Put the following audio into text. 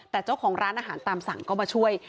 แต่เจ้าของร้านอาหารตามสั่งก็มาช่วย